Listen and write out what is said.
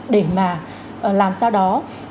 để mà làm sao đó